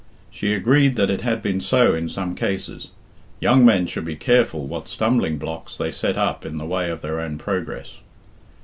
She agreed that it had been so in some cases. Young men should be careful what stumbling blocks they set up in the way of their own progress.